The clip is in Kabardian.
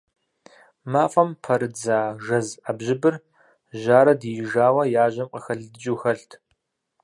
МафӀэм пэрыздза жэз Ӏэбжьыбыр жьарэ диижауэ яжьэм къыхэлыдыкӀыу хэлът.